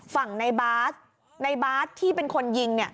ฝั่งในบาสในบาสที่เป็นคนยิง